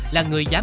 là người giáp